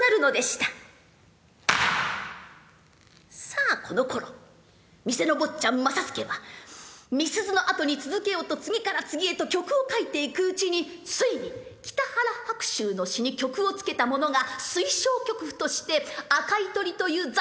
さあこのころ店の坊ちゃん正祐はみすゞの後に続けよと次から次へと曲を書いていくうちについに北原白秋の詩に曲をつけたものが推奨曲譜として「赤い鳥」という雑誌に掲載されたのです。